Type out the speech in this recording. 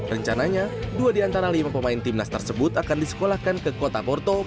rencananya dua di antara lima pemain timnas tersebut akan disekolahkan ke kota borto